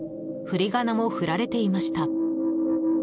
ふりがなも振られていました。